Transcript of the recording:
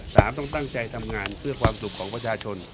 ต้องตั้งใจทำงานเพื่อความสุขของประชาชน